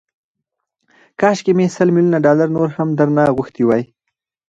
کاشکي مې سل ميليونه ډالر نور هم درنه غوښتي وای.